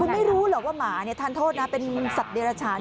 คุณไม่รู้หรอกว่าหมาทานโทษนะเป็นสัตว์เดรชาญ